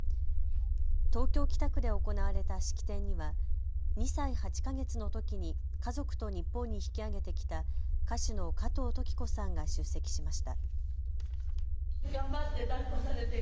東京北区で行われた式典には２歳８か月のときに家族と日本に引き揚げてきた歌手の加藤登紀子さんが出席しました。